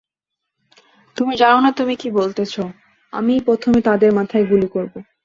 তুমি জানো না তুমি কি বলতেছো আমিই প্রথমে তাদের মাথায় গুলি করব।